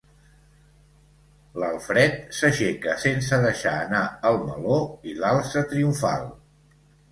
L'Alfred s'aixeca sense deixar anar el meló i l'alça triomfal.